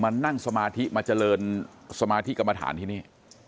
นั่งสมาธิมาเจริญสมาธิกรรมฐานที่นี่